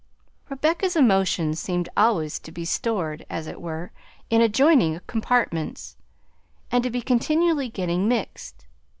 Rebecca's emotions seemed always to be stored, as it were, in adjoining compartments, and to be continually getting mixed.